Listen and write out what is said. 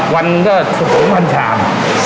วันก็๒๐๐ชาม